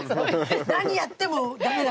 何やっても駄目だから。